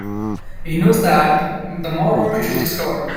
He knows that the murder is discovered.